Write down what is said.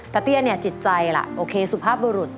เตี้ยเนี่ยจิตใจล่ะโอเคสุภาพบุรุษ